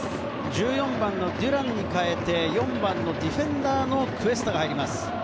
１４番デュランに代えて、４番のディフェンダーのクエスタが入ります。